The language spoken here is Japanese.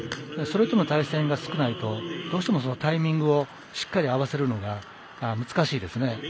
それとの対戦が少ないとどうしてもタイミングをしっかり合わせるのが難しいですね。